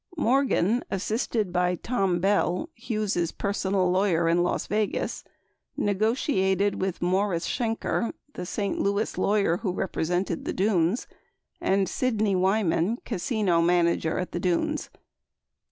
36 Morgan, assisted by Tom Bell, Hughes' personal lawyer in Las Yegas, negotiated with Morris Shenker, the St. Louis lawyer who represented the Dunes, and Sidney Wyman, casino manager at the Dunes.